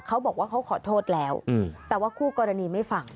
เขาบอกว่าเขาขอโทษแล้วแต่ว่าคู่กรณีไม่ฟัง